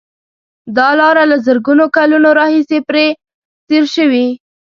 دا لاره له زرګونو کلونو راهیسې پرې تېر شوي.